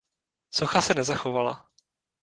Socha se nezachovala.